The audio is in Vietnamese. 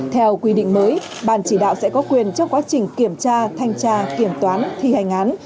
theo quy định mới ban chỉ đạo sẽ có quyền cho quá trình kiểm tra thanh tra kiểm toán thi hành án